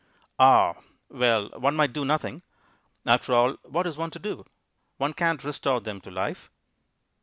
"Ah!... Well, one might do nothing. After all, what is one to do? One can't restore them to life."